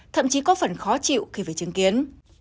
thậm chí có phần khó chịu khi phải chứng kiến